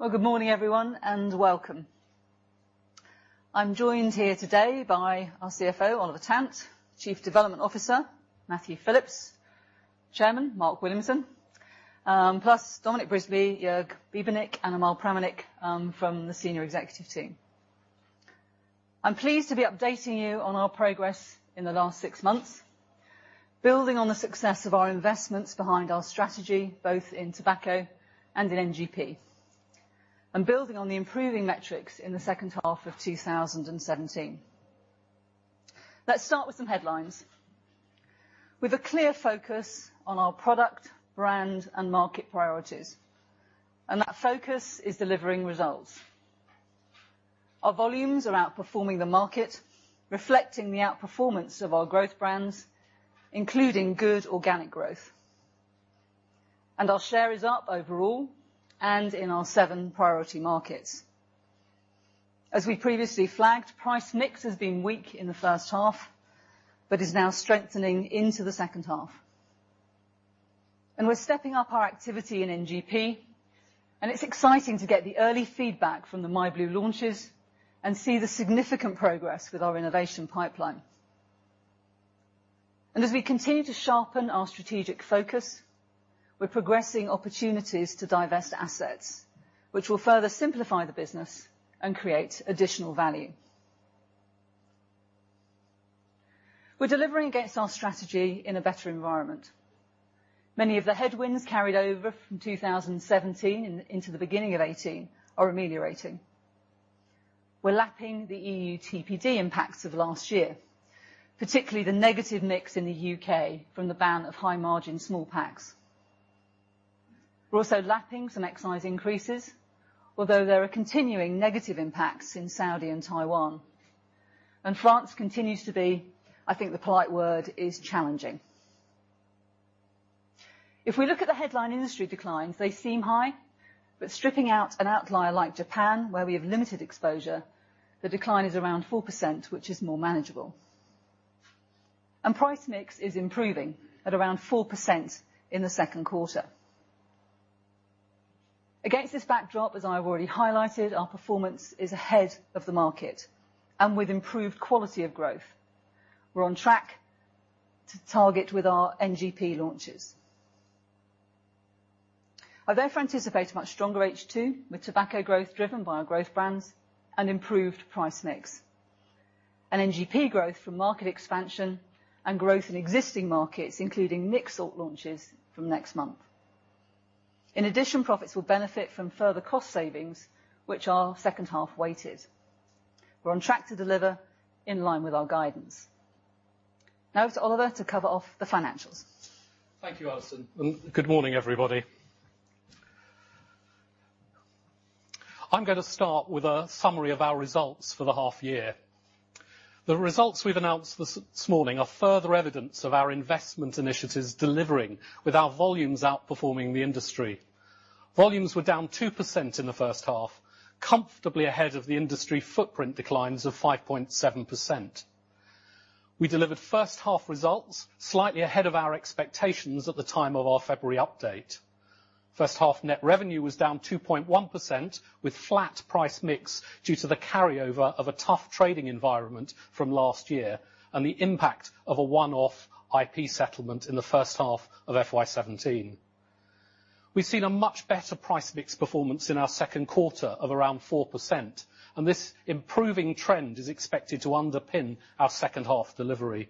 Well, good morning, everyone, and welcome. I'm joined here today by our CFO, Oliver Tant, Chief Development Officer, Matthew Phillips, Chairman, Mark Williamson, plus Dominic Brisby, Joerg Biebernick, and Amal Pramanik from the senior executive team. I'm pleased to be updating you on our progress in the last six months, building on the success of our investments behind our strategy, both in tobacco and in NGP. I'm building on the improving metrics in the second half of 2017. Let's start with some headlines. With a clear focus on our product, brand, and market priorities, that focus is delivering results. Our volumes are outperforming the market, reflecting the outperformance of our growth brands, including good organic growth. Our share is up overall and in our seven priority markets. As we previously flagged, price mix has been weak in the first half, but is now strengthening into the second half. We're stepping up our activity in NGP, and it's exciting to get the early feedback from the myblu launches and see the significant progress with our innovation pipeline. As we continue to sharpen our strategic focus, we're progressing opportunities to divest assets, which will further simplify the business and create additional value. We're delivering against our strategy in a better environment. Many of the headwinds carried over from 2017 into the beginning of 2018 are ameliorating. We're lapping the EU TPD impacts of last year, particularly the negative mix in the U.K. from the ban of high-margin small packs. We're also lapping some excise increases, although there are continuing negative impacts in Saudi and Taiwan. France continues to be, I think, the polite word is challenging. If we look at the headline industry declines, they seem high, but stripping out an outlier like Japan, where we have limited exposure, the decline is around 4%, which is more manageable. Price mix is improving at around 4% in the second quarter. Against this backdrop, as I've already highlighted, our performance is ahead of the market and with improved quality of growth. We're on track to target with our NGP launches. I therefore anticipate a much stronger H2, with tobacco growth driven by our growth brands and improved price mix. NGP growth from market expansion and growth in existing markets, including nicotine salt launches from next month. In addition, profits will benefit from further cost savings, which are second half weighted. We're on track to deliver in line with our guidance. Now to Oliver to cover off the financials. Thank you, Alison. Good morning, everybody. I'm going to start with a summary of our results for the half year. The results we've announced this morning are further evidence of our investment initiatives delivering with our volumes outperforming the industry. Volumes were down 2% in the first half, comfortably ahead of the industry footprint declines of 5.7%. We delivered first half results slightly ahead of our expectations at the time of our February update. First half net revenue was down 2.1% with flat price mix due to the carryover of a tough trading environment from last year, and the impact of a one-off IP settlement in the first half of FY 2017. We've seen a much better price mix performance in our second quarter of around 4%, and this improving trend is expected to underpin our second half delivery.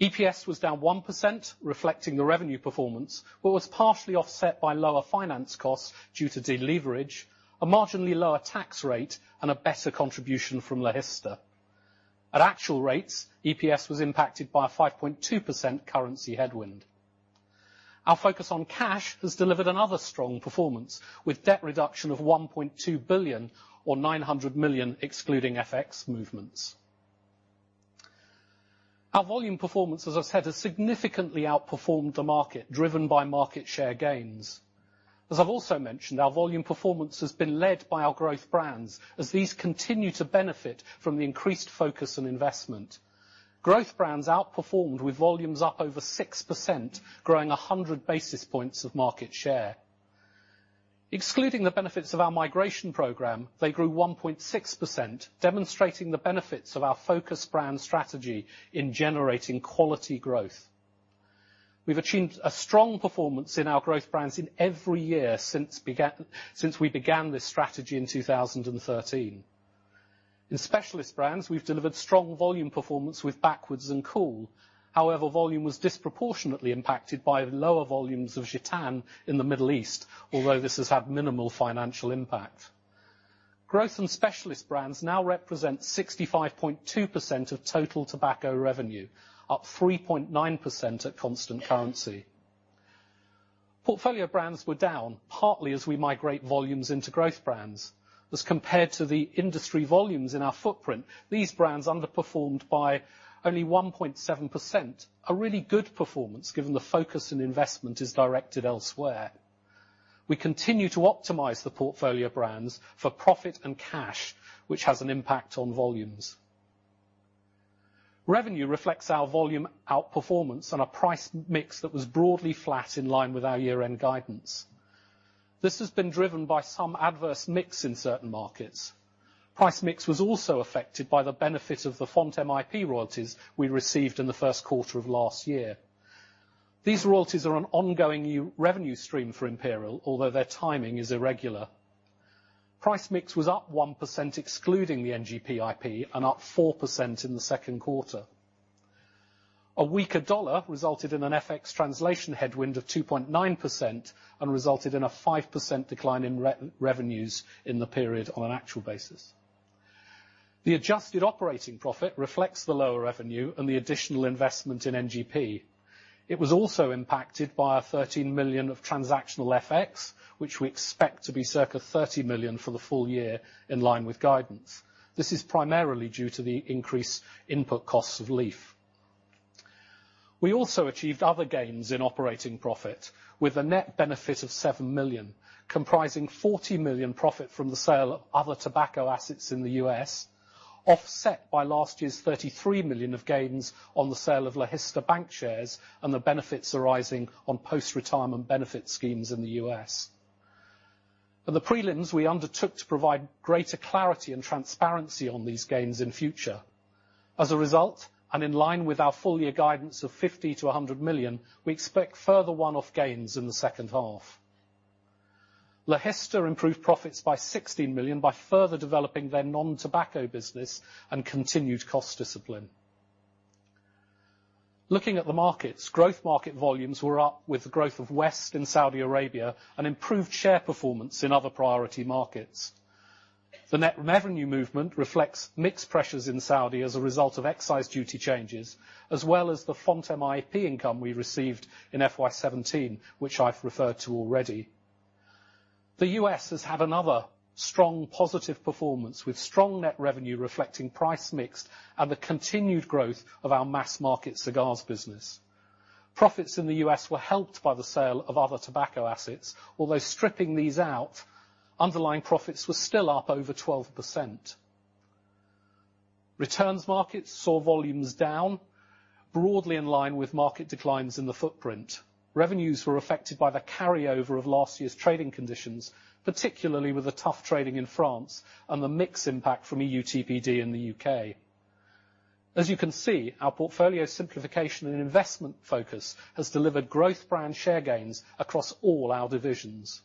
EPS was down 1%, reflecting the revenue performance. It was partially offset by lower finance costs due to deleverage, a marginally lower tax rate, and a better contribution from Logista. At actual rates, EPS was impacted by a 5.2% currency headwind. Our focus on cash has delivered another strong performance, with debt reduction of 1.2 billion or 900 million excluding FX movements. Our volume performance, as I said, has significantly outperformed the market, driven by market share gains. As I've also mentioned, our volume performance has been led by our growth brands as these continue to benefit from the increased focus on investment. Growth brands outperformed with volumes up over 6%, growing 100 basis points of market share. Excluding the benefits of our migration program, they grew 1.6%, demonstrating the benefits of our focused brand strategy in generating quality growth. We've achieved a strong performance in our growth brands in every year since we began this strategy in 2013. In specialist brands, we've delivered strong volume performance with Backwoods and Kool. Volume was disproportionately impacted by lower volumes of Gitanes in the Middle East, although this has had minimal financial impact. Growth and specialist brands now represent 65.2% of total tobacco revenue, up 3.9% at constant currency. Portfolio brands were down, partly as we migrate volumes into growth brands. As compared to the industry volumes in our footprint, these brands underperformed by only 1.7%, a really good performance given the focus and investment is directed elsewhere. We continue to optimize the portfolio brands for profit and cash, which has an impact on volumes. Revenue reflects our volume outperformance on a price mix that was broadly flat in line with our year-end guidance. This has been driven by some adverse mix in certain markets. Price mix was also affected by the benefit of the Fontem IP royalties we received in the first quarter of last year. These royalties are an ongoing revenue stream for Imperial, although their timing is irregular. Price mix was up 1%, excluding the NGP IP, and up 4% in the second quarter. A weaker dollar resulted in an FX translation headwind of 2.9% and resulted in a 5% decline in revenues in the period on an actual basis. The adjusted operating profit reflects the lower revenue and the additional investment in NGP. It was also impacted by 13 million of transactional FX, which we expect to be circa 30 million for the full year in line with guidance. This is primarily due to the increased input costs of leaf. We also achieved other gains in operating profit, with a net benefit of 7 million, comprising 40 million profit from the sale of other tobacco assets in the U.S., offset by last year's 33 million of gains on the sale of Liggett Bank shares and the benefits arising on post-retirement benefit schemes in the U.S. On the prelims, we undertook to provide greater clarity and transparency on these gains in future. As a result, in line with our full-year guidance of 50 million-100 million, we expect further one-off gains in the second half. Liggett improved profits by 16 million by further developing their non-tobacco business and continued cost discipline. Looking at the markets, growth market volumes were up with the growth of West in Saudi Arabia and improved share performance in other priority markets. The net revenue movement reflects mixed pressures in Saudi as a result of excise duty changes, as well as the Fontem IP income we received in FY 2017, which I've referred to already. The U.S. has had another strong positive performance, with strong net revenue reflecting price mix and the continued growth of our mass-market cigars business. Profits in the U.S. were helped by the sale of other tobacco assets. Although stripping these out, underlying profits were still up over 12%. Returns markets saw volumes down, broadly in line with market declines in the footprint. Revenues were affected by the carryover of last year's trading conditions, particularly with the tough trading in France and the mix impact from EUTPD in the U.K. As you can see, our portfolio simplification and investment focus has delivered growth brand share gains across all our divisions.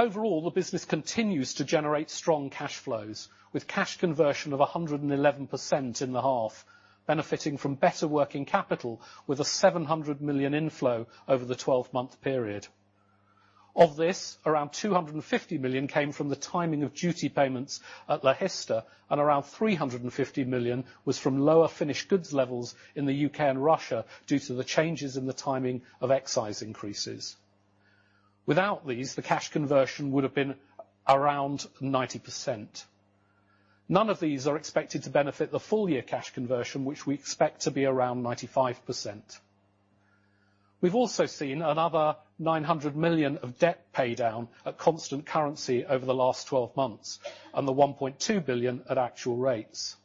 Overall, the business continues to generate strong cash flows, with cash conversion of 111% in the half, benefiting from better working capital with a 700 million inflow over the 12-month period. Of this, around 250 million came from the timing of duty payments at Liggett, and around 350 million was from lower finished goods levels in the U.K. and Russia due to the changes in the timing of excise increases. Without these, the cash conversion would have been around 90%. None of these are expected to benefit the full-year cash conversion, which we expect to be around 95%. We've also seen another 900 million of debt paydown at constant currency over the last 12 months, and the 1.2 billion at actual rates.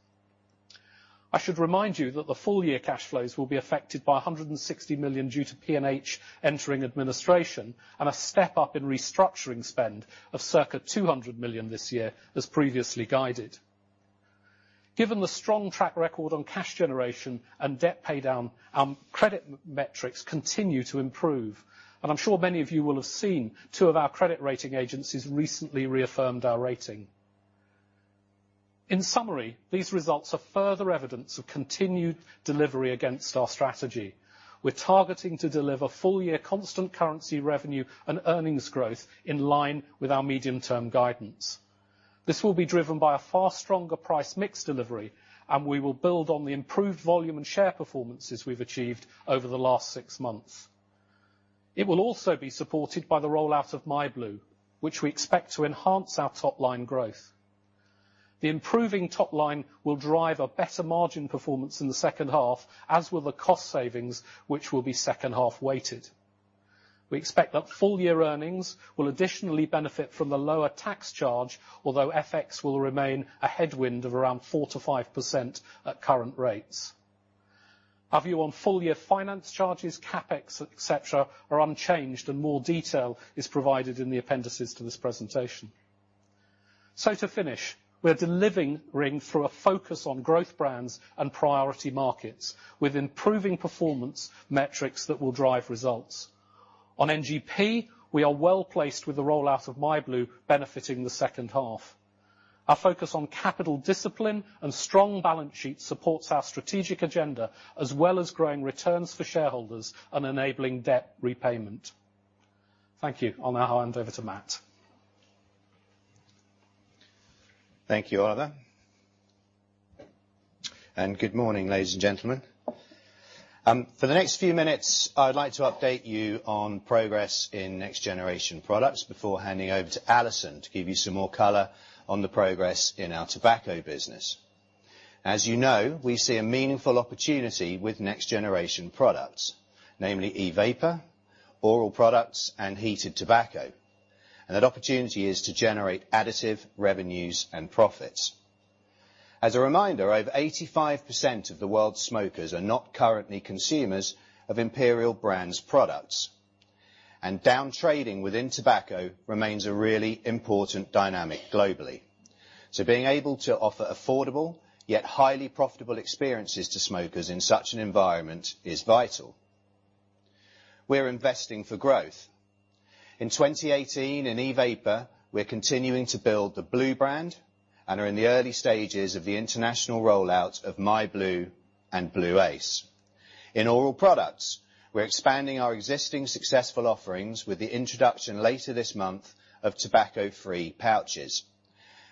I should remind you that the full-year cash flows will be affected by 160 million due to P&H entering administration and a step-up in restructuring spend of circa 200 million this year, as previously guided. Given the strong track record on cash generation and debt paydown, our credit metrics continue to improve, and I'm sure many of you will have seen two of our credit rating agencies recently reaffirmed our rating. In summary, these results are further evidence of continued delivery against our strategy. We're targeting to deliver full-year constant currency revenue and earnings growth in line with our medium-term guidance. This will be driven by a far stronger price mix delivery, and we will build on the improved volume and share performances we've achieved over the last six months. It will also be supported by the rollout of myblu, which we expect to enhance our top-line growth. The improving top line will drive a better margin performance in the second half, as will the cost savings, which will be second-half weighted. We expect that full-year earnings will additionally benefit from the lower tax charge, although FX will remain a headwind of around 4%-5% at current rates. Our view on full-year finance charges, CapEx, et cetera, are unchanged and more detail is provided in the appendices to this presentation. To finish, we are delivering through a focus on growth brands and priority markets, with improving performance metrics that will drive results. On NGP, we are well-placed with the rollout of myblu benefiting the second half. Our focus on capital discipline and strong balance sheet supports our strategic agenda, as well as growing returns for shareholders and enabling debt repayment. Thank you. I'll now hand over to Matt. Thank you, Oliver. Good morning, ladies and gentlemen. For the next few minutes, I'd like to update you on progress in next-generation products before handing over to Alison to give you some more color on the progress in our tobacco business. As you know, we see a meaningful opportunity with next-generation products, namely e-vapor, oral products and heated tobacco. That opportunity is to generate additive revenues and profits. As a reminder, over 85% of the world's smokers are not currently consumers of Imperial Brands products. Down-trading within tobacco remains a really important dynamic globally. Being able to offer affordable, yet highly profitable experiences to smokers in such an environment is vital. We're investing for growth. In 2018, in e-vapor, we're continuing to build the blu brand, and are in the early stages of the international rollout of myblu and blu ACE. In oral products, we're expanding our existing successful offerings with the introduction later this month of tobacco-free pouches.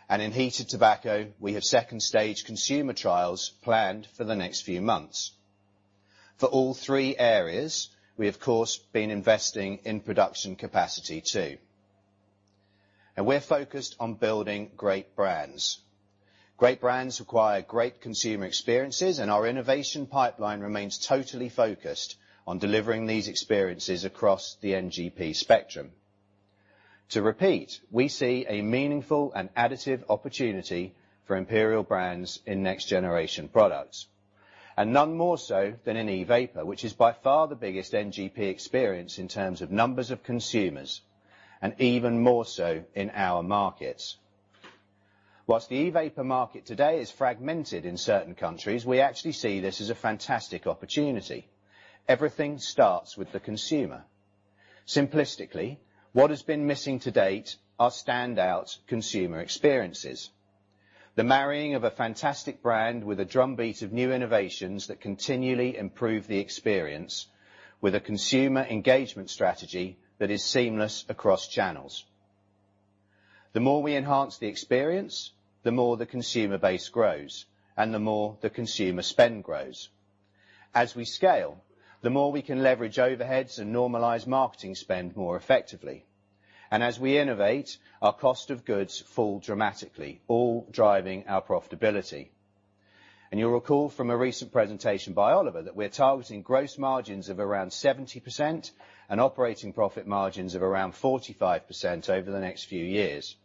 In heated tobacco, we have second stage consumer trials planned for the next few months. For all three areas, we of course have been investing in production capacity too. We're focused on building great brands. Great brands require great consumer experiences, and our innovation pipeline remains totally focused on delivering these experiences across the NGP spectrum. To repeat, we see a meaningful and additive opportunity for Imperial Brands in next-generation products, and none more so than in e-vapor, which is by far the biggest NGP experience in terms of numbers of consumers, and even more so in our markets. While the e-vapor market today is fragmented in certain countries, we actually see this as a fantastic opportunity. Everything starts with the consumer. Simplistically, what has been missing to date are standout consumer experiences. The marrying of a fantastic brand with a drumbeat of new innovations that continually improve the experience with a consumer engagement strategy that is seamless across channels. The more we enhance the experience, the more the consumer base grows, and the more the consumer spend grows. As we scale, the more we can leverage overheads and normalize marketing spend more effectively. As we innovate, our cost of goods fall dramatically, all driving our profitability. You'll recall from a recent presentation by Oliver that we're targeting gross margins of around 70% and operating profit margins of around 45% over the next few years.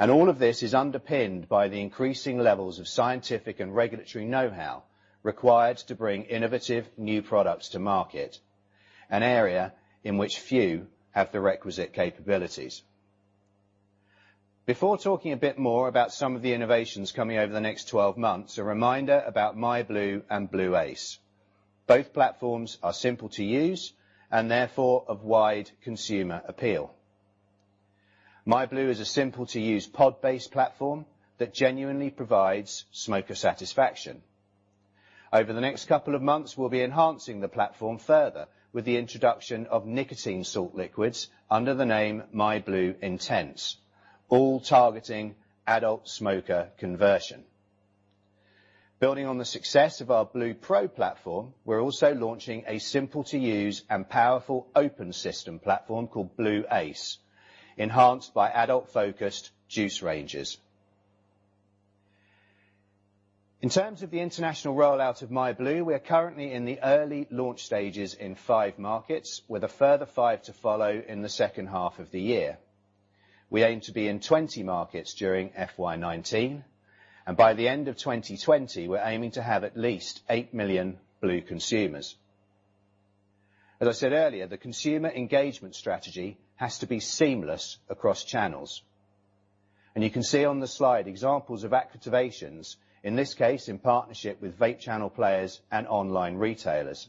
All of this is underpinned by the increasing levels of scientific and regulatory know-how required to bring innovative new products to market, an area in which few have the requisite capabilities. Before talking a bit more about some of the innovations coming over the next 12 months, a reminder about myblu and blu ACE. Both platforms are simple to use, and therefore of wide consumer appeal. myblu is a simple to use pod-based platform that genuinely provides smoker satisfaction. Over the next couple of months, we'll be enhancing the platform further with the introduction of nicotine salt liquids under the name myblu Intense, all targeting adult smoker conversion. Building on the success of our blu PRO platform, we're also launching a simple to use and powerful open system platform called blu ACE, enhanced by adult focused juice ranges. In terms of the international rollout of myblu, we are currently in the early launch stages in five markets, with a further five to follow in the second half of the year. We aim to be in 20 markets during FY 2019. By the end of 2020, we're aiming to have at least 8 million blu consumers. As I said earlier, the consumer engagement strategy has to be seamless across channels. You can see on the slide examples of activations, in this case, in partnership with vape channel players and online retailers.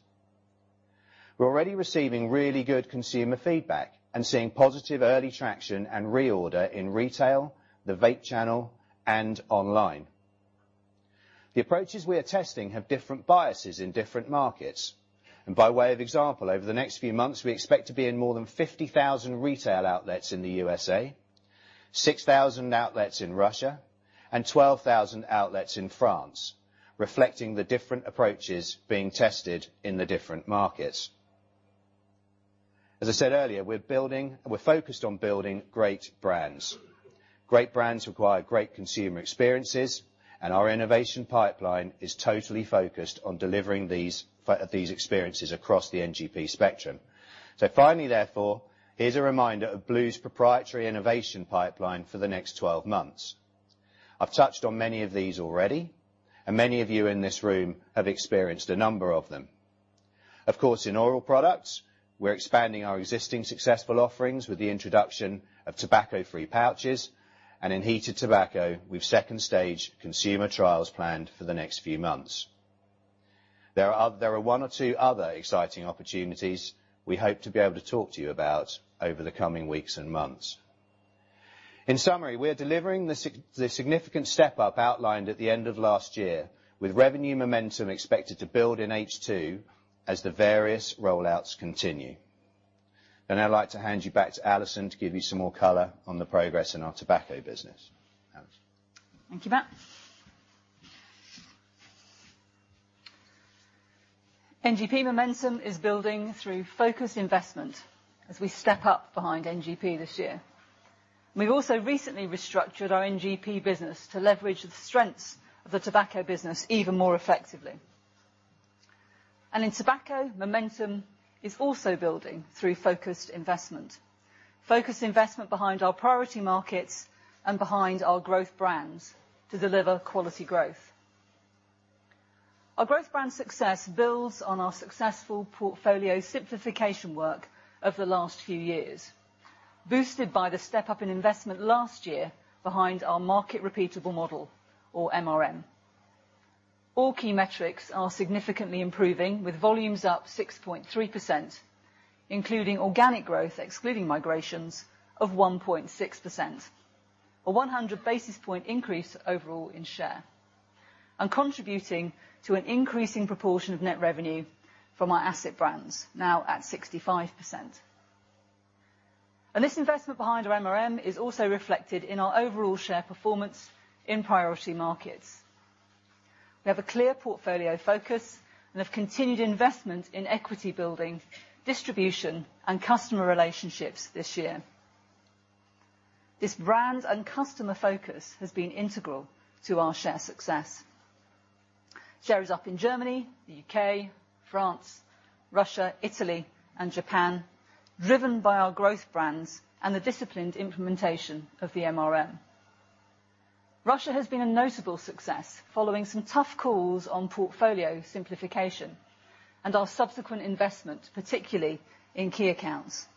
We're already receiving really good consumer feedback and seeing positive early traction and reorder in retail, the vape channel, and online. The approaches we are testing have different biases in different markets. By way of example, over the next few months, we expect to be in more than 50,000 retail outlets in the USA, 6,000 outlets in Russia, and 12,000 outlets in France, reflecting the different approaches being tested in the different markets. As I said earlier, we're focused on building great brands. Great brands require great consumer experiences, and our innovation pipeline is totally focused on delivering these experiences across the NGP spectrum. Finally therefore, here's a reminder of blu's proprietary innovation pipeline for the next 12 months. I've touched on many of these already, and many of you in this room have experienced a number of them. Of course, in oral products, we're expanding our existing successful offerings with the introduction of tobacco-free pouches, and in heated tobacco, we've stage 2 consumer trials planned for the next few months. There are one or two other exciting opportunities we hope to be able to talk to you about over the coming weeks and months. In summary, we are delivering the significant step up outlined at the end of last year, with revenue momentum expected to build in H2 as the various rollouts continue. I'd like to hand you back to Alison to give you some more color on the progress in our tobacco business. Alison? Thank you, Matt. NGP momentum is building through focused investment as we step up behind NGP this year. We've also recently restructured our NGP business to leverage the strengths of the tobacco business even more effectively. In tobacco, momentum is also building through focused investment. Focused investment behind our priority markets and behind our growth brands to deliver quality growth. Our growth brand success builds on our successful portfolio simplification work over the last few years, boosted by the step-up in investment last year behind our market repeatable model, or MRM. All key metrics are significantly improving, with volumes up 6.3%, including organic growth, excluding migrations of 1.6%, a 100 basis point increase overall in share, and contributing to an increasing proportion of net revenue from our asset brands, now at 65%. This investment behind our MRM is also reflected in our overall share performance in priority markets. We have a clear portfolio focus and have continued investment in equity building, distribution, and customer relationships this year. This brand and customer focus has been integral to our share success. Share is up in Germany, the U.K., France, Russia, Italy, and Japan, driven by our growth brands and the disciplined implementation of the MRM. Russia has been a notable success following some tough calls on portfolio simplification and our subsequent investment, particularly in key accounts.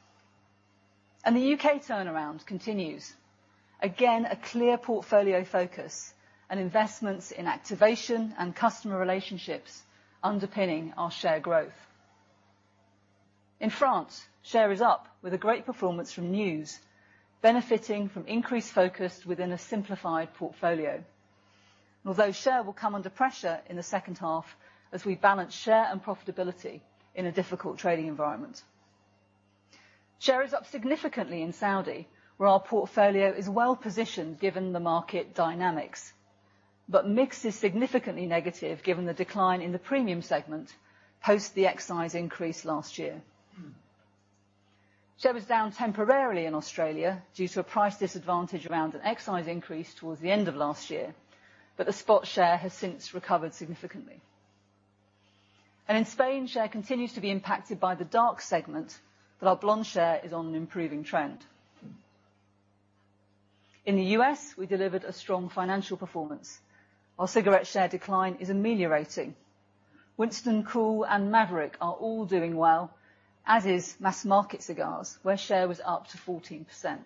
The U.K. turnaround continues. Again, a clear portfolio focus and investments in activation and customer relationships underpinning our share growth. In France, share is up with a great performance from News, benefiting from increased focus within a simplified portfolio. Although share will come under pressure in the second half as we balance share and profitability in a difficult trading environment. Share is up significantly in Saudi, where our portfolio is well-positioned given the market dynamics, but mix is significantly negative given the decline in the premium segment post the excise increase last year. Share was down temporarily in Australia due to a price disadvantage around an excise increase towards the end of last year, but the spot share has since recovered significantly. In Spain, share continues to be impacted by the dark segment, but our blonde share is on an improving trend. In the U.S., we delivered a strong financial performance. Our cigarette share decline is ameliorating. Winston, Kool, and Maverick are all doing well, as is mass market cigars, where share was up to 14%.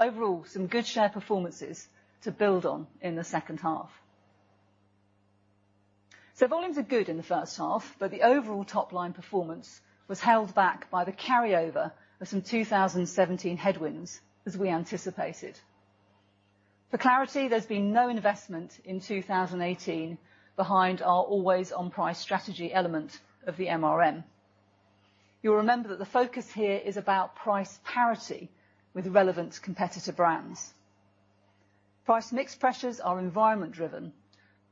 Overall, some good share performances to build on in the second half. Volumes are good in the first half, but the overall top-line performance was held back by the carryover of some 2017 headwinds as we anticipated. For clarity, there has been no investment in 2018 behind our always-on price strategy element of the MRM. You will remember that the focus here is about price parity with relevant competitor brands. Price mix pressures are environment driven,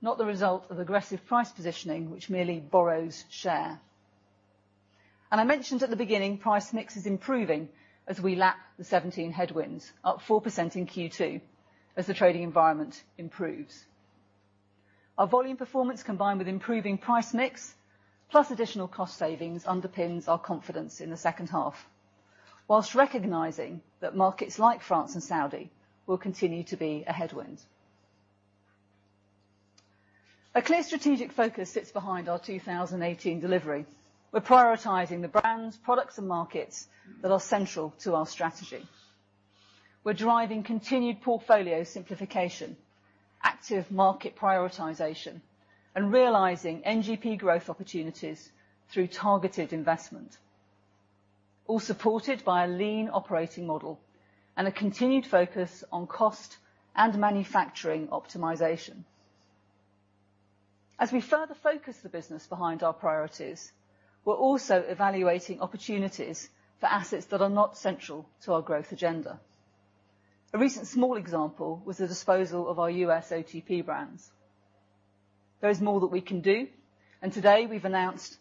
not the result of aggressive price positioning which merely borrows share. I mentioned at the beginning, price mix is improving as we lap the 2017 headwinds, up 4% in Q2 as the trading environment improves. Our volume performance combined with improving price mix, plus additional cost savings underpins our confidence in the second half, whilst recognizing that markets like France and Saudi will continue to be a headwind. A clear strategic focus sits behind our 2018 delivery. We are prioritizing the brands, products, and markets that are central to our strategy. We are driving continued portfolio simplification, active market prioritization, and realizing NGP growth opportunities through targeted investment, all supported by a lean operating model and a continued focus on cost and manufacturing optimization. As we further focus the business behind our priorities, we are also evaluating opportunities for assets that are not central to our growth agenda. A recent small example was the disposal of our U.S. OTP brands. There is more that we can do, and today we have announced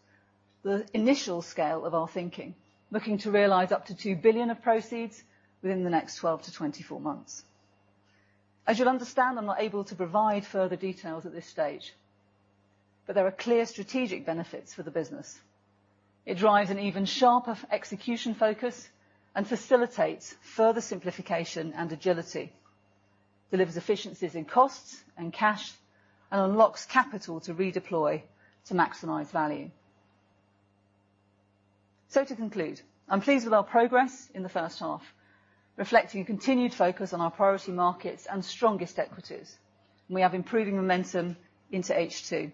the initial scale of our thinking, looking to realize up to 2 billion of proceeds within the next 12-24 months. As you will understand, I am not able to provide further details at this stage, but there are clear strategic benefits for the business. It drives an even sharper execution focus and facilitates further simplification and agility, delivers efficiencies in costs and cash, and unlocks capital to redeploy to maximize value. To conclude, I'm pleased with our progress in the first half, reflecting a continued focus on our priority markets and strongest equities, and we have improving momentum into H2.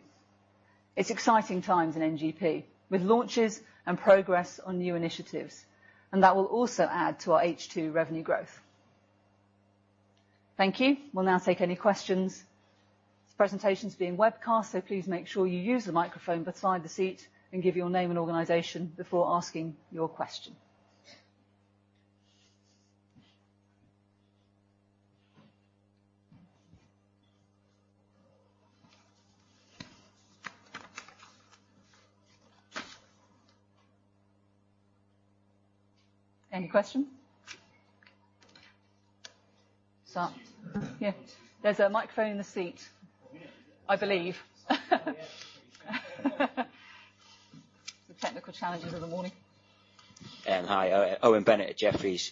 It's exciting times in NGP, with launches and progress on new initiatives, and that will also add to our H2 revenue growth. Thank you. We'll now take any questions. This presentation's being webcast, so please make sure you use the microphone beside the seat and give your name and organization before asking your question. Any questions? Yeah, there's a microphone in the seat, I believe. The technical challenges of the morning. Hi, Owen Bennett at Jefferies.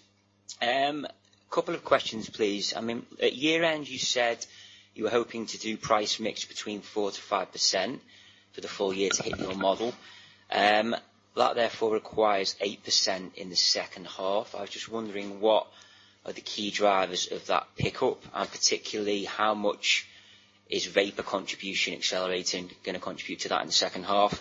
Couple of questions, please. At year-end, you said you were hoping to do price mix between 4%-5% for the full year to hit your model. That therefore requires 8% in the second half. I was just wondering what are the key drivers of that pickup, and particularly, how much is vapor contribution accelerating, going to contribute to that in the second half?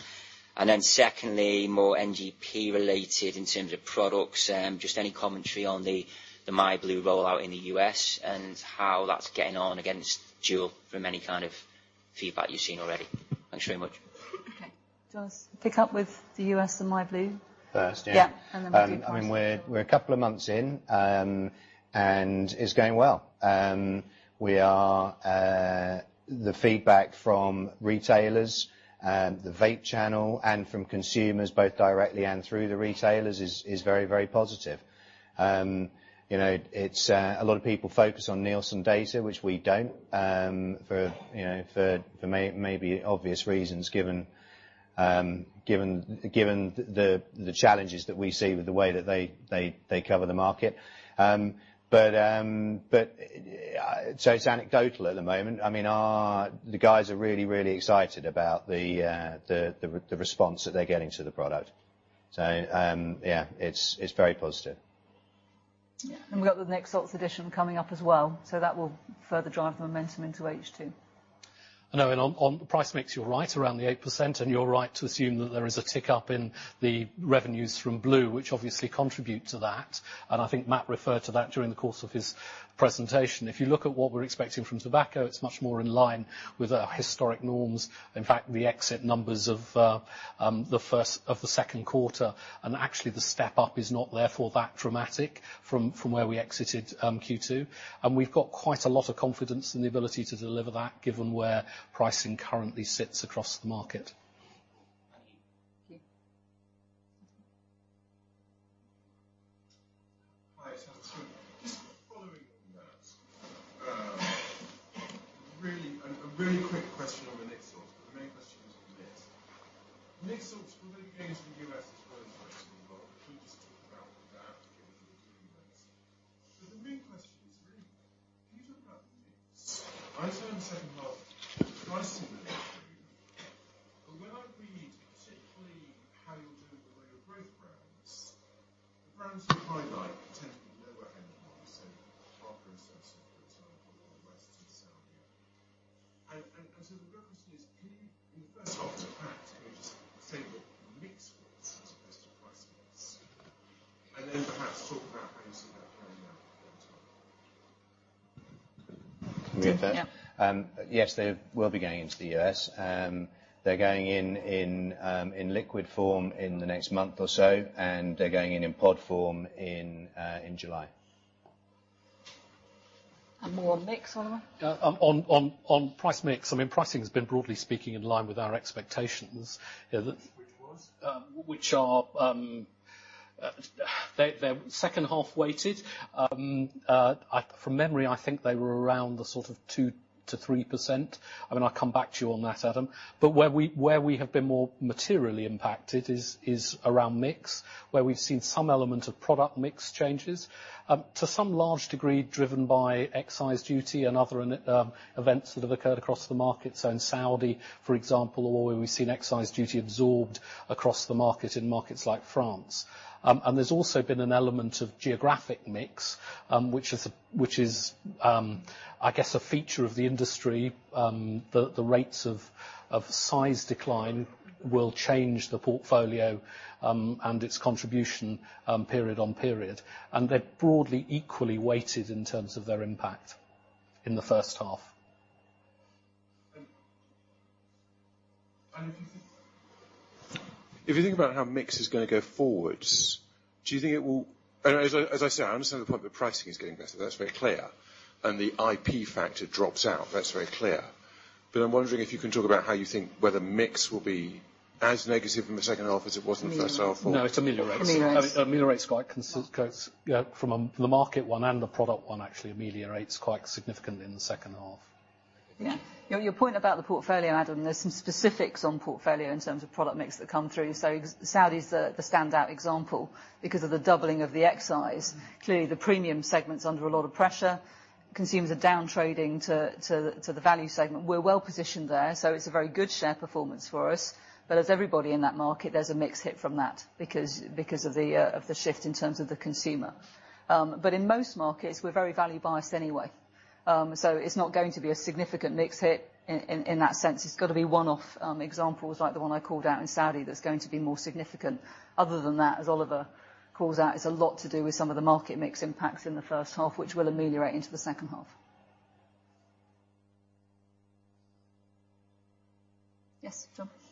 Secondly, more NGP related in terms of products, just any commentary on the myblu rollout in the U.S. and how that's getting on against JUUL from any kind of feedback you've seen already. Thanks very much. Okay. Do you want us pick up with the U.S. and myblu? First, yeah. Yeah. Then we do price. We're a couple of months in, and it's going well. The feedback from retailers, the vape channel, and from consumers both directly and through the retailers is very, very positive. A lot of people focus on Nielsen data, which we don't, for maybe obvious reasons, given the challenges that we see with the way that they cover the market. It's anecdotal at the moment. The guys are really excited about the response that they're getting to the product. Yeah, it's very positive. Yeah. We've got the Nicotine salts edition coming up as well, so that will further drive the momentum into H2. I know, on price mix, you're right around the 8%, and you're right to assume that there is a tick up in the revenues from blu, which obviously contribute to that, and I think Matt referred to that during the course of his presentation. If you look at what we're expecting from tobacco, it's much more in line with our historic norms. In fact, the exit numbers of the second quarter, and actually the step up is not therefore that dramatic from where we exited Q2. We've got quite a lot of confidence in the ability to deliver that, given where pricing currently sits across the market. Thank you. Thank you. Hi, Adam. Just following on that. A really quick question on the Nic salts. The main question is on mix. Nic salts, will they come to the U.S. as well as the rest of the world? If you could just talk about that in terms of doing this. The main question is really, can you talk about the mix? I understand the second half pricing mix very well. When I read particularly how you're doing with all your growth brands, the brands you highlight tend to be lower end ones, so Parker & Simpson, for example, or West and Saudi. The real question is, can you in the first half perhaps can you just say what the mix was as opposed to price mix, and then perhaps talk about how you see that playing out over time? Can we get that? Yeah. Yes, they will be going into the U.S. They're going in liquid form in the next month or so, they're going in in pod form in July. More on mix, Oliver? On price mix, pricing has been broadly speaking in line with our expectations. Yeah. Which was? They're second half weighted. From memory, I think they were around the sort of 2%-3%. I'll come back to you on that, Adam. Where we have been more materially impacted is around mix, where we've seen some element of product mix changes. To some large degree driven by excise duty and other events that have occurred across the market. In Saudi, for example, or where we've seen excise duty absorbed across the market in markets like France. There's also been an element of geographic mix, which is, I guess, a feature of the industry. The rates of size decline will change the portfolio, and its contribution, period on period. They're broadly equally weighted in terms of their impact in the first half. If you think about how mix is going to go forwards, as I say, I understand the point that pricing is getting better, that's very clear. The IP factor drops out, that's very clear. I'm wondering if you can talk about how you think whether mix will be as negative in the second half as it was in the first half or- No, it ameliorates. Ameliorates. From the market one and the product one actually ameliorates quite significantly in the second half. Yeah. Your point about the portfolio, Adam, there's some specifics on portfolio in terms of product mix that come through. Saudi is the standout example because of the doubling of the excise. Clearly, the premium segment's under a lot of pressure. Consumers are down trading to the value segment. We're well-positioned there, it's a very good share performance for us. As everybody in that market, there's a mix hit from that because of the shift in terms of the consumer. In most markets, we're very value biased anyway. It's not going to be a significant mix hit in that sense. It's got to be one-off examples like the one I called out in Saudi that's going to be more significant. Other than that, as Oliver calls out, it's a lot to do with some of the market mix impacts in the first half, which will ameliorate into the second half. Yes, John? Yeah. Okay,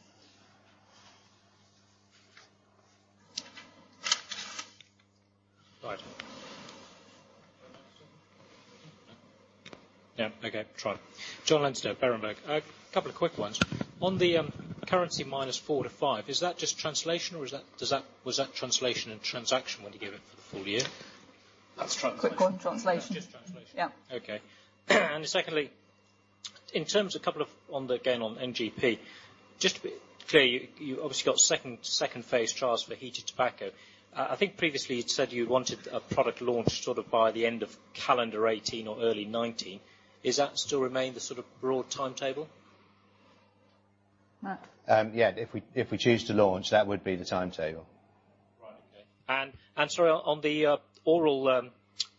sure. Jonathan Leinster, Berenberg. A couple of quick ones. On the currency minus 4%-5%, is that just translation or was that translation and transaction when you give it for the full year? That's translation. Quick one, translation. That's just translation. Yeah. Okay. Secondly, in terms a couple of on the gain on NGP, just to be clear, you obviously got phase II trials for heated tobacco. I think previously you'd said you wanted a product launch sort of by the end of calendar 2018 or early 2019. Is that still remain the sort of broad timetable? Matt? Yeah. If we choose to launch, that would be the timetable. Right. Okay. Sorry, on the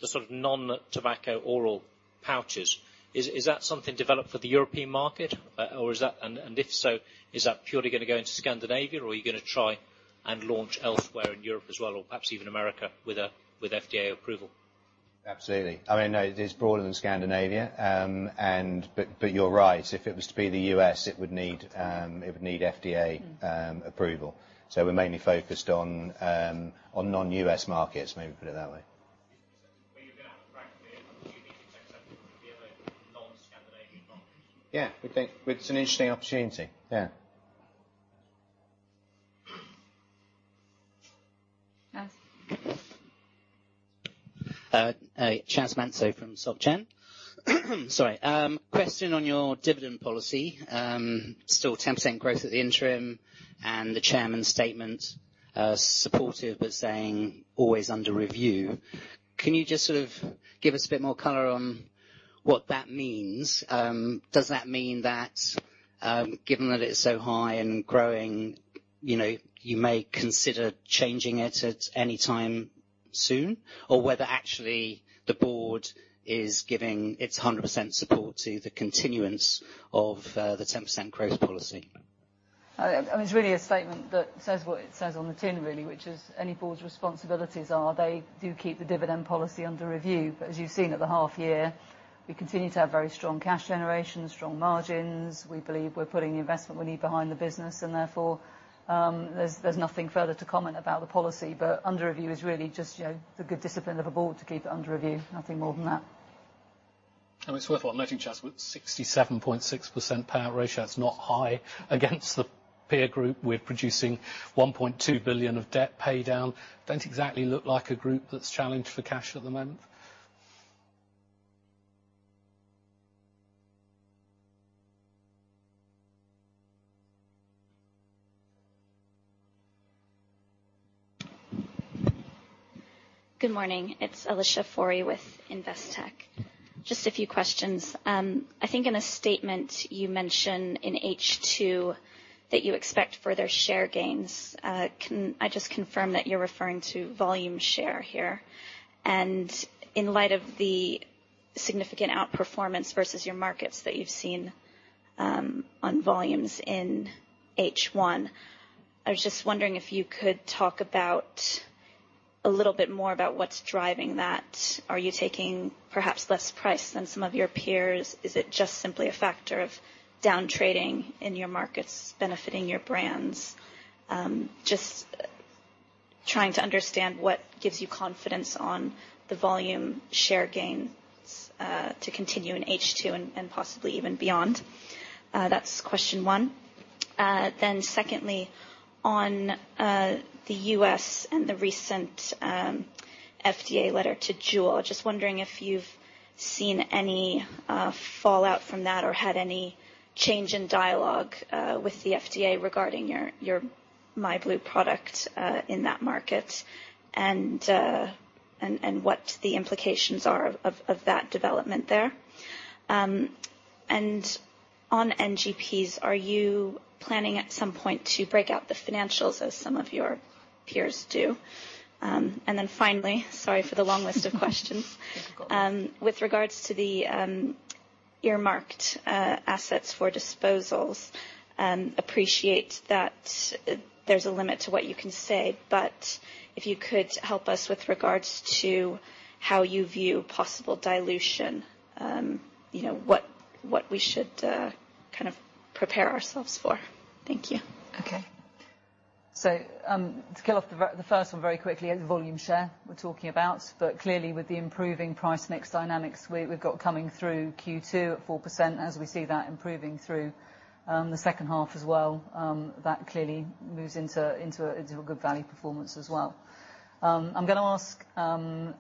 sort of non-tobacco oral pouches, is that something developed for the European market? If so, is that purely gonna go into Scandinavia, or are you gonna try and launch elsewhere in Europe as well, or perhaps even America with FDA approval? Absolutely. It is broader than Scandinavia. You're right, if it was to be the U.S., it would need FDA approval. We're mainly focused on non-U.S. markets, maybe put it that way. You're gonna have Chas Manso from Soc Gen. Sorry. Question on your dividend policy. Still 10% growth at the interim, the chairman's statement, supportive of saying always under review. Can you just sort of give us a bit more color on what that means? Does that mean that, given that it's so high and growing, you may consider changing it at any time soon? Or whether actually the board is giving its 100% support to the continuance of the 10% growth policy? It's really a statement that says what it says on the tin, really, which is any board's responsibilities are they do keep the dividend policy under review. As you've seen at the half year, we continue to have very strong cash generation, strong margins. We believe we're putting the investment we need behind the business, therefore, there's nothing further to comment about the policy. Under review is really just the good discipline of a board to keep it under review, nothing more than that. It's worth noting, Chas, with 67.6% payout ratio, it's not high against the peer group. We're producing 1.2 billion of debt paydown. Don't exactly look like a group that's challenged for cash at the moment. Good morning. It's Alicia Forry with Investec. Just a few questions. I think in a statement you mention in H2 that you expect further share gains. Can I just confirm that you're referring to volume share here? In light of the significant outperformance versus your markets that you've seen, on volumes in H1, I was just wondering if you could talk about a little bit more about what's driving that. Are you taking perhaps less price than some of your peers? Is it just simply a factor of down trading in your markets benefiting your brands? Just trying to understand what gives you confidence on the volume share gains, to continue in H2 and possibly even beyond. That's question one. Secondly, on the U.S. and the recent FDA letter to JUUL. Just wondering if you've seen any fallout from that or had any change in dialogue with the FDA regarding your myblu product in that market, and what the implications are of that development there. On NGP's, are you planning at some point to break out the financials as some of your peers do? Finally, sorry for the long list of questions. No problem. With regards to the earmarked assets for disposals, appreciate that there's a limit to what you can say, if you could help us with regards to how you view possible dilution, what we should kind of prepare ourselves for. Thank you. Okay. To kill off the first one very quickly is volume share we're talking about. Clearly, with the improving price mix dynamics we've got coming through Q2 at 4%, as we see that improving through the second half as well, that clearly moves into a good value performance as well. I'm going to ask Dominic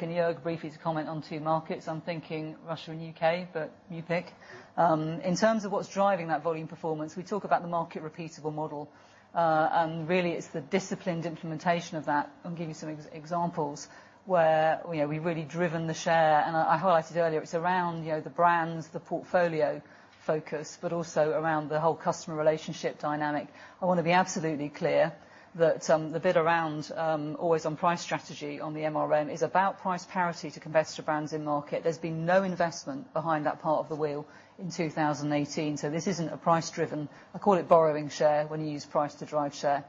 and Joerg, briefly to comment on two markets. I'm thinking Russia and U.K., you pick. In terms of what's driving that volume performance, we talk about the market repeatable model. Really it's the disciplined implementation of that. I'll give you some examples where we've really driven the share, and I highlighted earlier, it's around the brands, the portfolio focus, but also around the whole customer relationship dynamic. I want to be absolutely clear that the bit around always on price strategy on the MRM is about price parity to competitor brands in market. There's been no investment behind that part of the wheel in 2018, this isn't a price driven, I call it borrowing share when you use price to drive share,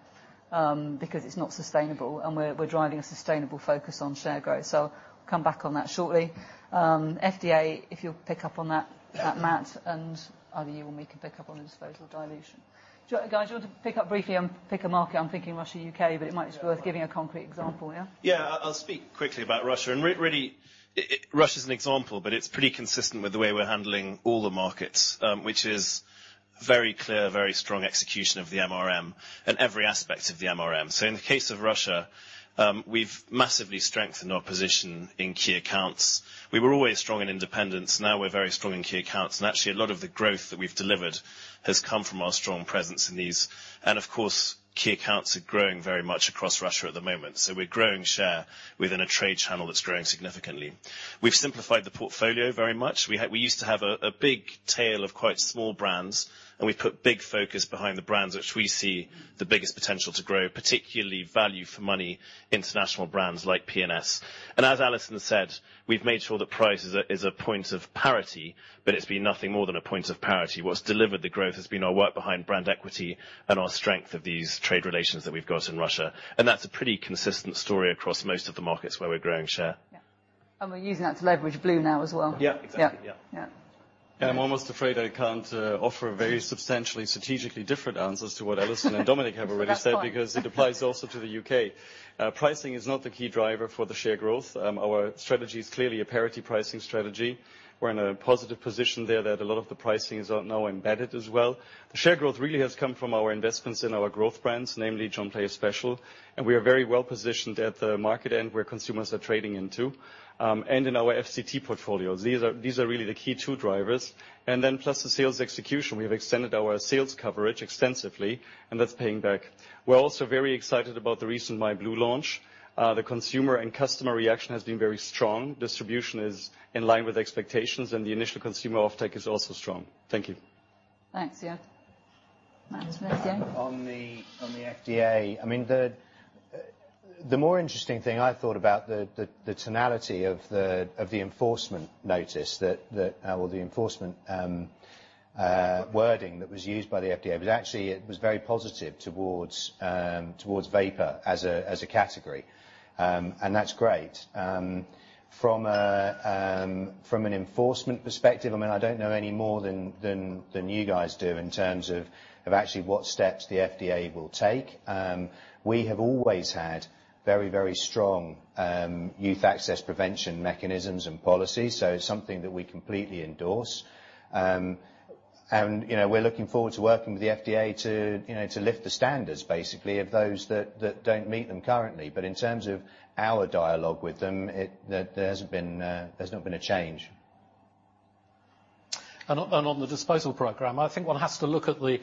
because it's not sustainable and we're driving a sustainable focus on share growth. I'll come back on that shortly. FDA, if you'll pick up on that, Matt, either you or me can pick up on disposal dilution. Do you want to, guys, you want to pick up briefly on pick a market? I'm thinking Russia, U.K., it might be worth giving a concrete example, yeah? I'll speak quickly about Russia, really Russia's an example, but it's pretty consistent with the way we're handling all the markets, which is very clear, very strong execution of the MRM and every aspect of the MRM. In the case of Russia, we've massively strengthened our position in key accounts. We were always strong in independents, now we're very strong in key accounts and actually a lot of the growth that we've delivered has come from our strong presence in these. Of course, key accounts are growing very much across Russia at the moment. We're growing share within a trade channel that's growing significantly. We've simplified the portfolio very much. We used to have a big tail of quite small brands, we've put big focus behind the brands which we see the biggest potential to grow, particularly value for money international brands like P&S. As Alison said, we've made sure that price is a point of parity, it's been nothing more than a point of parity. What's delivered the growth has been our work behind brand equity and our strength of these trade relations that we've got in Russia. That's a pretty consistent story across most of the markets where we're growing share. We're using that to leverage blu now as well. Exactly. Yeah. Yeah. Yeah. I'm almost afraid I can't offer a very substantially strategically different answer as to what Alison and Dominic have already said. That's fine Because it applies also to the U.K. Pricing is not the key driver for the share growth. Our strategy is clearly a parity pricing strategy. We're in a positive position there that a lot of the pricing is now embedded as well. The share growth really has come from our investments in our growth brands, namely John Player Special, and we are very well positioned at the market end where consumers are trading into, and in our FCT portfolios. These are really the key two drivers. Then plus the sales execution. We have extended our sales coverage extensively and that's paying back. We're also very excited about the recent myblu launch. The consumer and customer reaction has been very strong. Distribution is in line with expectations and the initial consumer offtake is also strong. Thank you. Thanks, Jörg. Matt, then again? On the FDA, the more interesting thing I thought about the tonality of the enforcement notice, or the enforcement wording that was used by the FDA, was actually it was very positive towards vapor as a category. That's great. From an enforcement perspective, I don't know any more than you guys do in terms of actually what steps the FDA will take. We have always had very strong youth access prevention mechanisms and policies, so it's something that we completely endorse. We're looking forward to working with the FDA to lift the standards, basically, of those that don't meet them currently. In terms of our dialogue with them, there's not been a change. On the disposal program, I think one has to look at the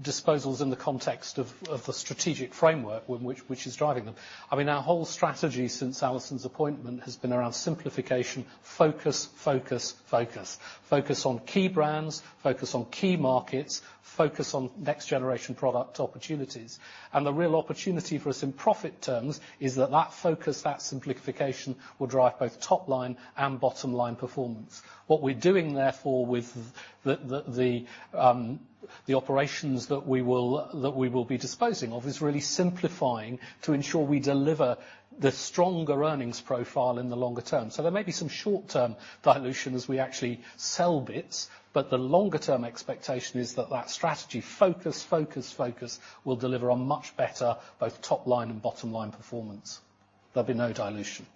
disposals in the context of the strategic framework which is driving them. Our whole strategy since Alison's appointment has been around simplification, focus. Focus on key brands, focus on key markets, focus on next generation product opportunities. The real opportunity for us in profit terms is that that focus, that simplification, will drive both top line and bottom line performance. What we're doing, therefore, with the operations that we will be disposing of, is really simplifying to ensure we deliver the stronger earnings profile in the longer term. There may be some short-term dilution as we actually sell bits, but the longer-term expectation is that that strategy focus will deliver a much better both top line and bottom line performance. There'll be no dilution.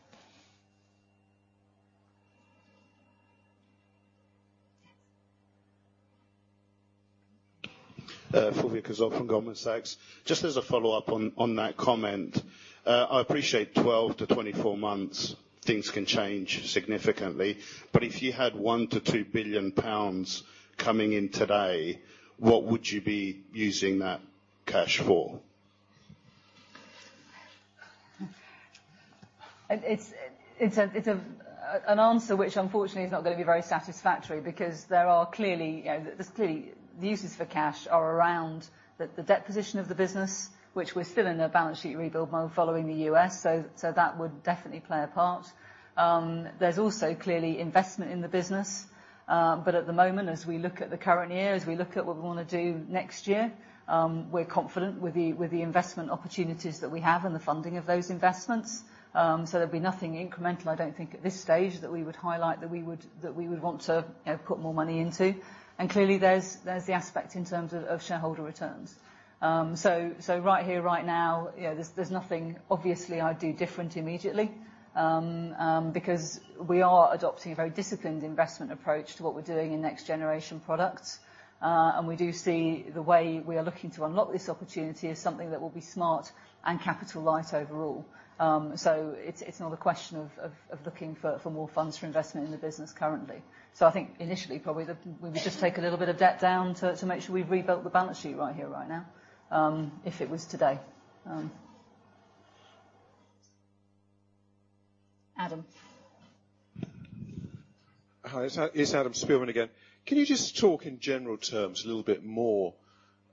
Yes. Fulvio Ceresa from Goldman Sachs. Just as a follow-up on that comment. I appreciate 12 to 24 months things can change significantly, but if you had 1 billion-2 billion pounds coming in today, what would you be using that cash for? It's an answer which unfortunately is not going to be very satisfactory because the uses for cash are around the debt position of the business, which we're still in a balance sheet rebuild mode following the U.S. That would definitely play a part. There's also clearly investment in the business. At the moment, as we look at the current year, as we look at what we want to do next year, we're confident with the investment opportunities that we have and the funding of those investments. There'll be nothing incremental, I don't think at this stage that we would highlight that we would want to put more money into. Clearly there's the aspect in terms of shareholder returns. Right here, right now, there's nothing obviously I'd do different immediately, because we are adopting a very disciplined investment approach to what we're doing in next generation products. We do see the way we are looking to unlock this opportunity as something that will be smart and capital light overall. It's not a question of looking for more funds for investment in the business currently. I think initially probably we would just take a little bit of debt down to make sure we've rebuilt the balance sheet right here, right now. If it was today. Adam. Hi, it's Adam Spielman again. Can you just talk in general terms a little bit more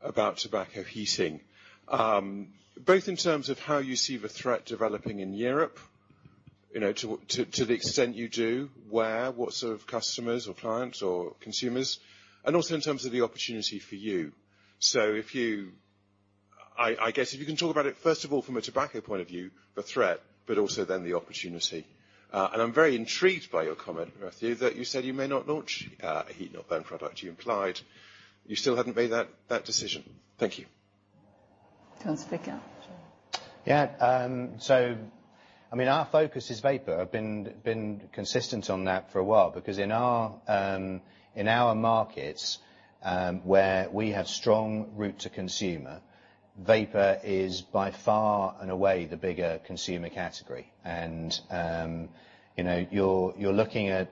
about tobacco heating? Both in terms of how you see the threat developing in Europe, to the extent you do, where, what sort of customers or clients or consumers, also in terms of the opportunity for you. I guess if you can talk about it, first of all, from a tobacco point of view, the threat, but also then the opportunity. I'm very intrigued by your comment, Matthew, that you said you may not launch a heat-not-burn product. You implied you still hadn't made that decision. Thank you. Do you want to speak up? Sure. Yeah. Our focus is vapor. I've been consistent on that for a while, because in our markets, where we have strong route to consumer, vapor is by far and away the bigger consumer category. You're looking at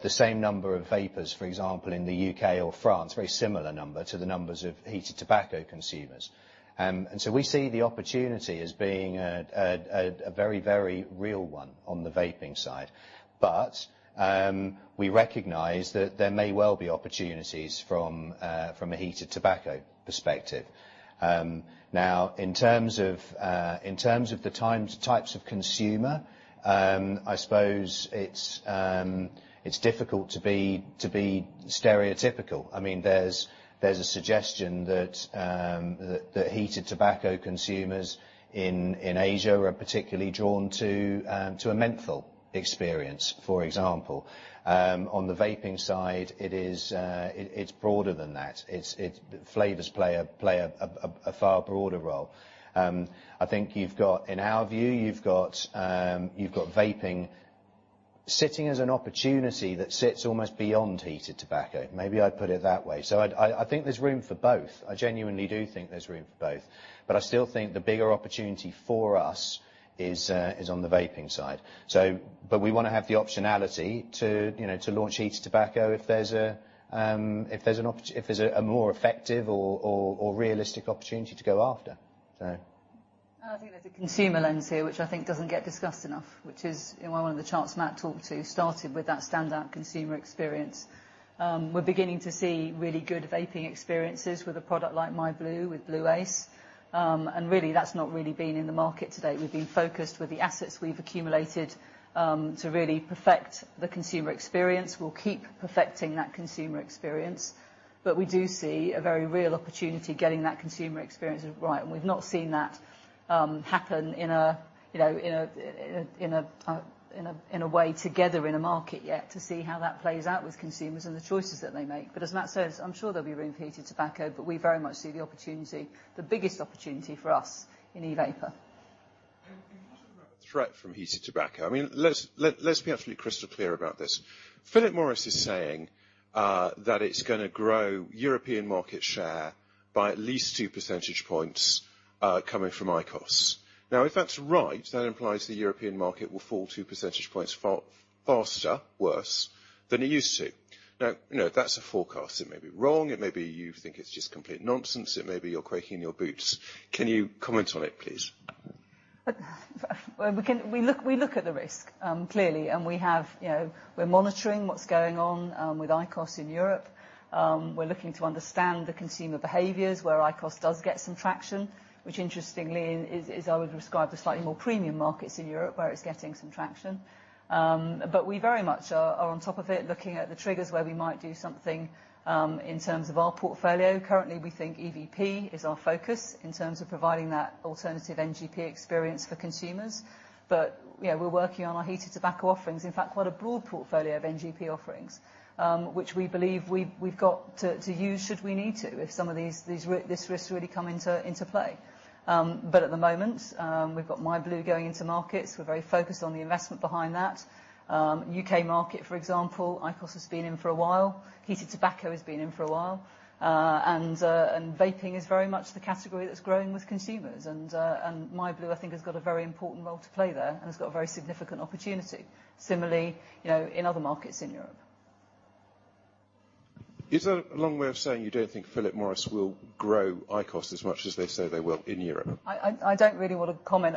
the same number of vapers, for example, in the U.K. or France, very similar number to the numbers of heated tobacco consumers. We see the opportunity as being a very real one on the vaping side. We recognize that there may well be opportunities from a heated tobacco perspective. In terms of the types of consumer, I suppose it's difficult to be stereotypical. There's a suggestion that heated tobacco consumers in Asia are particularly drawn to a menthol experience, for example. On the vaping side, it's broader than that. Flavors play a far broader role. I think you've got, in our view, you've got vaping sitting as an opportunity that sits almost beyond heated tobacco. Maybe I'd put it that way. I think there's room for both. I genuinely do think there's room for both. I still think the bigger opportunity for us is on the vaping side. We want to have the optionality to launch heated tobacco if there's a more effective or realistic opportunity to go after. I think there's a consumer lens here, which I think doesn't get discussed enough, which is one of the charts Matt talked to started with that standout consumer experience. We're beginning to see really good vaping experiences with a product like myblu with blu ACE. Really that's not really been in the market to date. We've been focused with the assets we've accumulated, to really perfect the consumer experience. We'll keep perfecting that consumer experience, we do see a very real opportunity getting that consumer experience right. We've not seen that happen in a way together in a market yet to see how that plays out with consumers and the choices that they make. As Matt says, I'm sure there'll be room for heated tobacco, we very much see the opportunity, the biggest opportunity for us in e-vapor. Can you talk about the threat from heated tobacco? Let's be absolutely crystal clear about this. Philip Morris is saying that it's going to grow European market share by at least two percentage points, coming from IQOS. If that's right, that implies the European market will fall two percentage points faster, worse than it used to. That's a forecast. It may be wrong. It may be you think it's just complete nonsense. It may be you're quaking in your boots. Can you comment on it, please? We look at the risk, clearly, we're monitoring what's going on with IQOS in Europe. We're looking to understand the consumer behaviors, where IQOS does get some traction, which interestingly is I would describe the slightly more premium markets in Europe, where it's getting some traction. We very much are on top of it, looking at the triggers where we might do something in terms of our portfolio. Currently, we think EVP is our focus in terms of providing that alternative NGP experience for consumers. We're working on our heated tobacco offerings. In fact, quite a broad portfolio of NGP offerings, which we believe we've got to use should we need to, if some of these risks really come into play. At the moment, we've got myblu going into markets. We're very focused on the investment behind that. U.K. market, for example, IQOS has been in for a while. Heated tobacco has been in for a while. Vaping is very much the category that's growing with consumers. myblu, I think, has got a very important role to play there, and has got a very significant opportunity. Similarly, in other markets in Europe. Is that a long way of saying you don't think Philip Morris will grow IQOS as much as they say they will in Europe? I don't really want to comment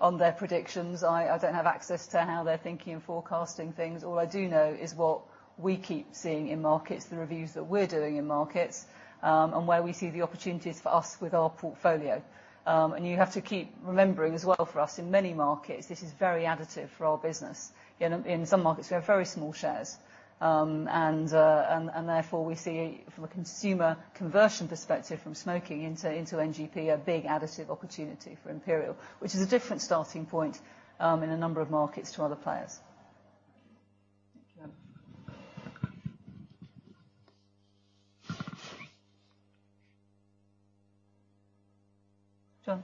on their predictions. I don't have access to how they're thinking and forecasting things. All I do know is what we keep seeing in markets, the reviews that we're doing in markets, and where we see the opportunities for us with our portfolio. You have to keep remembering as well for us, in many markets, this is very additive for our business. In some markets, we have very small shares. Therefore we see from a consumer conversion perspective from smoking into NGP, a big additive opportunity for Imperial, which is a different starting point in a number of markets to other players. Thank you. Thank you. John?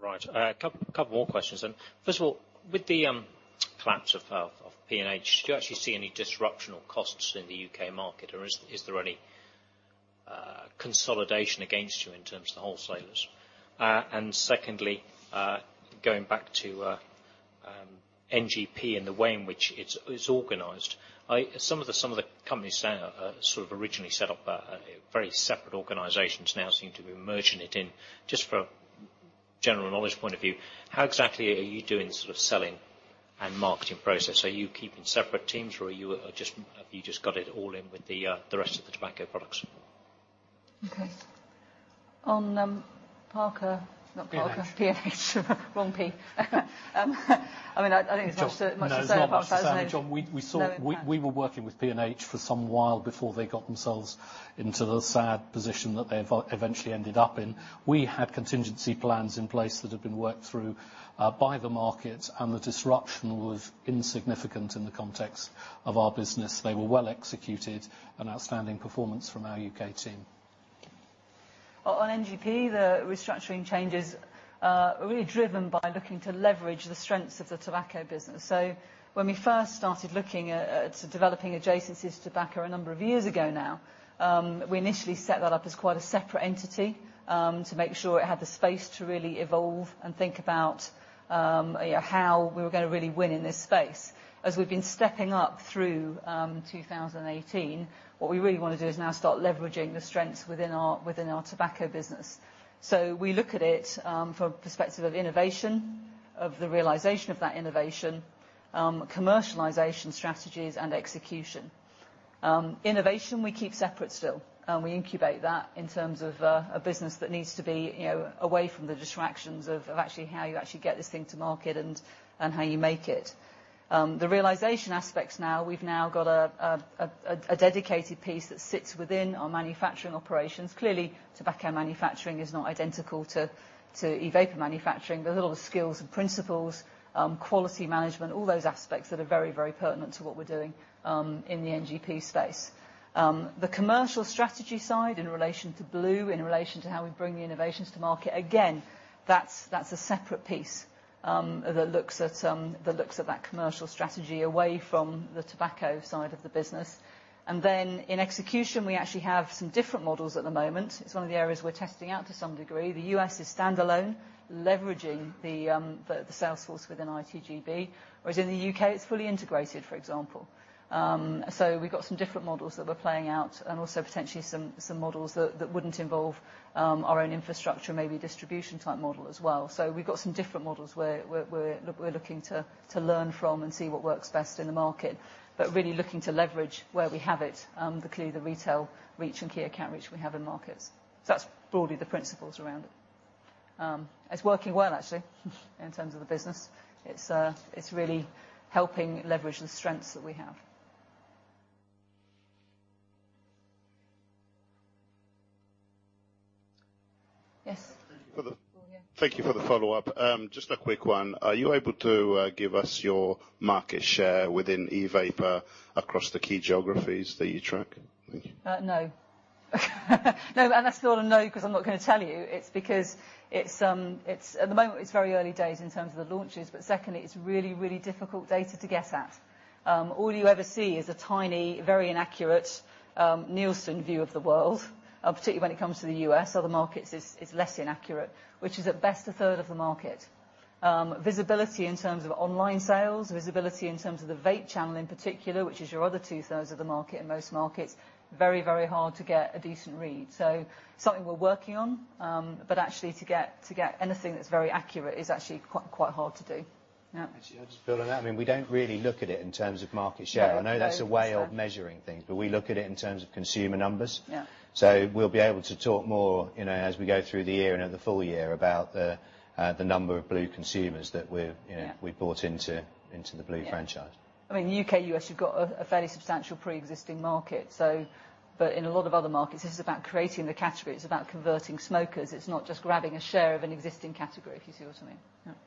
Right. A couple more questions then. First of all, with the collapse of P&H, do you actually see any disruption or costs in the U.K. market, or is there any consolidation against you in terms of the wholesalers? Secondly, going back to NGP and the way in which it's organized. Some of the companies now originally set up very separate organizations, now seem to be merging it in. Just for a general knowledge point of view, how exactly are you doing selling and marketing process? Are you keeping separate teams, or have you just got it all in with the rest of the tobacco products? Okay. On Parker, not Parker, P&H. Wrong P. I think there's not too much to say about that, is there? No, not much to say, John. We were working with P&H for some while, before they got themselves into the sad position that they eventually ended up in. We had contingency plans in place that had been worked through by the market. The disruption was insignificant in the context of our business. They were well executed, an outstanding performance from our U.K. team. NGP, the restructuring changes are really driven by looking to leverage the strengths of the tobacco business. When we first started looking at developing adjacencies to tobacco a number of years ago now, we initially set that up as quite a separate entity to make sure it had the space to really evolve and think about how we were going to really win in this space. As we've been stepping up through 2018, what we really want to do is now start leveraging the strengths within our tobacco business. We look at it from a perspective of innovation, of the realization of that innovation, commercialization strategies, and execution. Innovation, we keep separate still. We incubate that, in terms of a business that needs to be away from the distractions of actually how you get this thing to market and how you make it. The realization aspects now, we've now got a dedicated piece that sits within our manufacturing operations. Clearly, tobacco manufacturing is not identical to e-vapor manufacturing. A lot of the skills and principles, quality management, all those aspects that are very pertinent to what we're doing in the NGP space. The commercial strategy side in relation to blu, in relation to how we bring the innovations to market, again, that's a separate piece that looks at that commercial strategy away from the tobacco side of the business. In execution, we actually have some different models at the moment. It's one of the areas we're testing out to some degree. The U.S. is standalone, leveraging the sales force within ITGB. Whereas in the U.K., it's fully integrated, for example. We've got some different models that we're playing out, and also potentially some models that wouldn't involve our own infrastructure, maybe distribution type model as well. We've got some different models where we're looking to learn from and see what works best in the market. Really looking to leverage where we have it, clearly the retail reach and key account reach we have in markets. That's broadly the principles around it. It's working well, actually, in terms of the business. It's really helping leverage the strengths that we have. Yes. Thank you for the follow-up. Just a quick one. Are you able to give us your market share within e-vapor across the key geographies that you track? Thank you. No. No, that's not a no because I'm not going to tell you. It's because, at the moment, it's very early days in terms of the launches. Secondly, it's really difficult data to get at. All you ever see is a tiny, very inaccurate Nielsen view of the world, particularly when it comes to the U.S. Other markets, it's less inaccurate, which is at best a third of the market. Visibility in terms of online sales, visibility in terms of the vape channel in particular, which is your other two thirds of the market in most markets, very hard to get a decent read. Something we're working on, but actually to get anything that's very accurate is actually quite hard to do. Yeah. Actually, I'll just build on that. We don't really look at it in terms of market share. No. I know that's a way of measuring things, we look at it in terms of consumer numbers. Yeah. We'll be able to talk more as we go through the year and at the full year about the number of blu consumers that we've- Yeah brought into the blu franchise. Yeah. U.K., U.S., you've got a fairly substantial pre-existing market. In a lot of other markets, this is about creating the category. It's about converting smokers. It's not just grabbing a share of an existing category, if you see what I mean.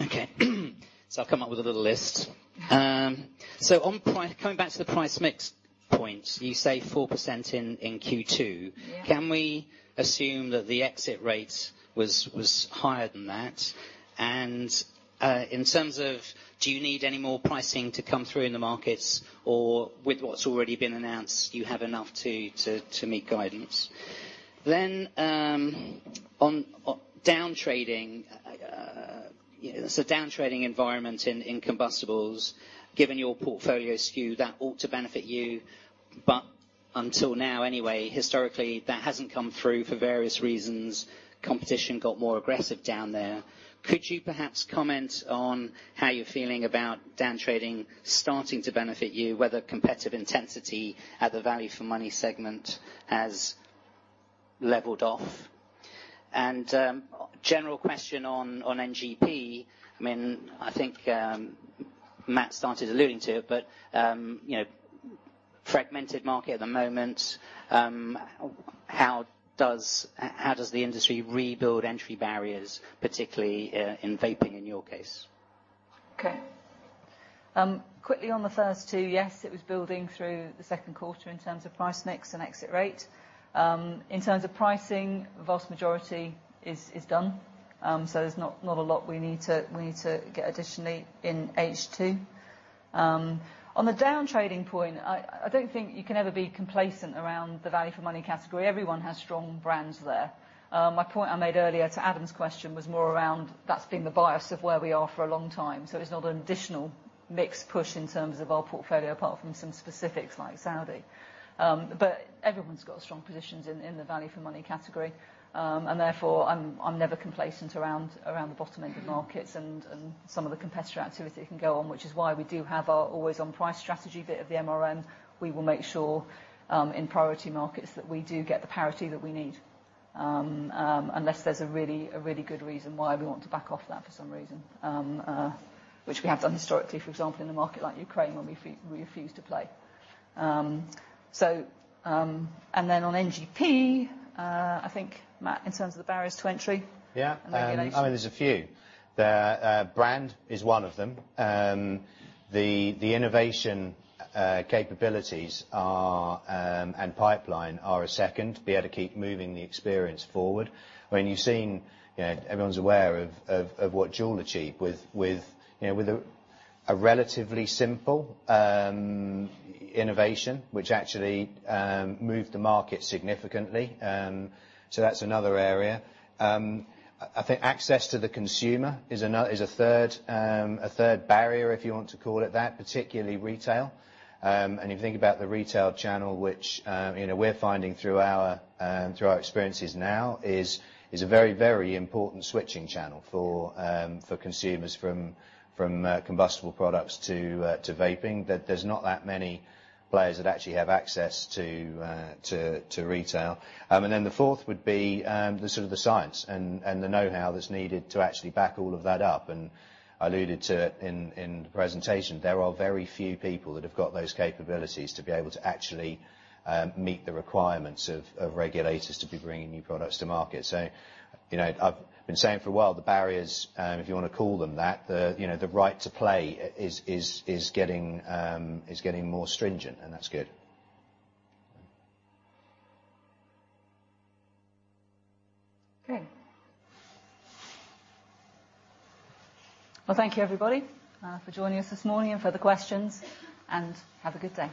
Yeah. Chas. Okay. I've come up with a little list. Coming back to the price mix point, you say 4% in Q2. Yeah. Can we assume that the exit rate was higher than that? In terms of do you need any more pricing to come through in the markets, or with what's already been announced, do you have enough to meet guidance? On downtrading. There's a downtrading environment in combustibles. Given your portfolio SKU, that ought to benefit you. Until now anyway, historically, that hasn't come through for various reasons. Competition got more aggressive down there. Could you perhaps comment on how you're feeling about downtrading starting to benefit you, whether competitive intensity at the value for money segment has leveled off? A general question on NGP. I think Matt started alluding to it, but fragmented market at the moment. How does the industry rebuild entry barriers, particularly in vaping, in your case? Okay. Quickly on the first two, yes, it was building through the second quarter in terms of price mix and exit rate. In terms of pricing, vast majority is done. There's not a lot we need to get additionally in H2. On the downtrading point, I don't think you can ever be complacent around the value for money category. Everyone has strong brands there. My point I made earlier to Adam's question was more around that's been the bias of where we are for a long time. It's not an additional mix push in terms of our portfolio, apart from some specifics like Saudi. Everyone's got strong positions in the value for money category. Therefore, I'm never complacent around the bottom end of markets and some of the competitor activity can go on, which is why we do have our always on price strategy bit of the MRM. We will make sure, in priority markets, that we do get the parity that we need, unless there's a really good reason why we want to back off that for some reason, which we have done historically, for example, in a market like Ukraine, where we refuse to play. Then on NGP, I think, Matt, in terms of the barriers to entry and regulation. Yeah. There's a few. Brand is one of them. The innovation capabilities and pipeline are a second, to be able to keep moving the experience forward. You've seen, everyone's aware of what JUUL achieved with a relatively simple innovation, which actually moved the market significantly. That's another area. I think access to the consumer is a third barrier, if you want to call it that, particularly retail. You think about the retail channel, which we're finding through our experiences now is a very important switching channel for consumers from combustible products to vaping, that there's not that many players that actually have access to retail. Then the fourth would be the science and the knowhow that's needed to actually back all of that up. I alluded to it in the presentation, there are very few people that have got those capabilities to be able to actually meet the requirements of regulators to be bringing new products to market. I've been saying for a while, the barriers, if you want to call them that, the right to play is getting more stringent, that's good. Okay. Well, thank you, everybody, for joining us this morning and for the questions, and have a good day.